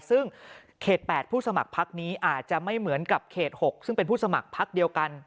ซึ่งเขต๘ผู้สมัครพักนี้อาจจะไม่เหมือนกับเขต๖ซึ่งเป็นผู้สมัครพักเดียวกัน